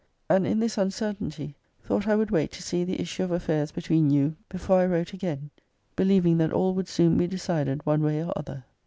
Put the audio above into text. And in this uncer tainty, thought I would wait to see the issue of affairs between you before I wrote again; believing that all would soon be decided one way or other.